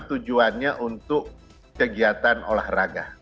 tujuannya untuk kegiatan olahraga